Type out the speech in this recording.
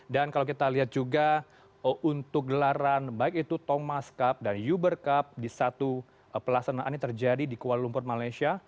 dan kalau kita lihat juga untuk gelaran baik itu thomas cup dan uber cup di satu pelaksanaan ini terjadi di kuala lumpur malaysia